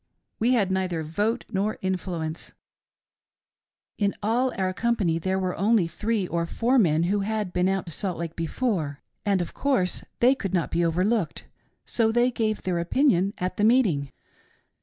" We had neither vote nor influence — the elders held our destiny in their hands. In all our company there were only three or four men who had been out to Salt Lake before, and of course they could not be overlooked, so they gave their opinion at the meeting.